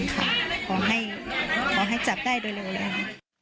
ขอให้จับได้ร่วมเร็ว